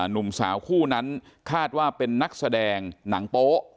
หนุ่มสาวคู่นั้นคาดว่าเป็นนักแสดงหนังโป๊ะ